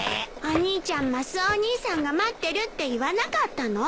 お兄ちゃんマスオお兄さんが待ってるって言わなかったの？